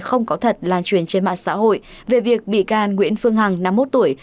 không có thật lan truyền trên mạng xã hội về việc bị can nguyễn phương hằng năm mươi một tuổi